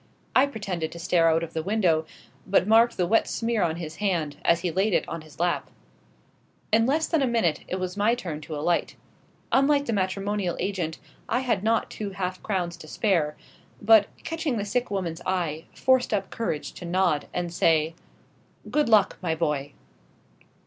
I pretended to stare out of the window, but marked the wet smear on his hand as he laid it on his lap. In less than a minute it was my turn to alight. Unlike the matrimonial agent, I had not two half crowns to spare; but, catching the sick woman's eye, forced up courage to nod and say "Good luck, my boy."